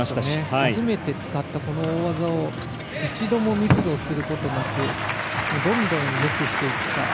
初めて使ったこの大技を一度もミスをすることなくどんどん、よくしていった。